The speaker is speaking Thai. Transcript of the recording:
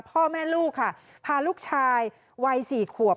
พ่อแม่ลูกค่ะพาลูกชายวัย๔ขวบ